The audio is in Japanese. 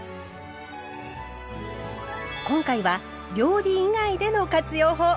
今回は料理以外での活用法。